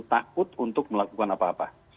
takut untuk melakukan apa apa